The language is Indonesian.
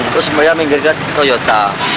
terus beliau minggir ke toyota